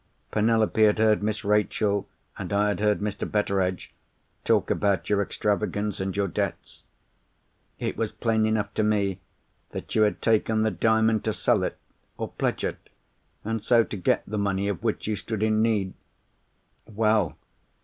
Penelope had heard Miss Rachel, and I had heard Mr. Betteredge, talk about your extravagance and your debts. It was plain enough to me that you had taken the Diamond to sell it, or pledge it, and so to get the money of which you stood in need. Well!